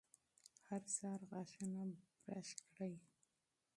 هر سهار غاښونه برس کړئ.